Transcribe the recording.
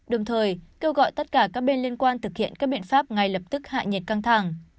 đồng thời kêu gọi tất cả các bên liên quan thực hiện các biện pháp ngay lập tức hạ nhiệt căng thẳng